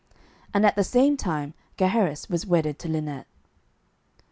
And at the same time Gaheris was wedded to Linet.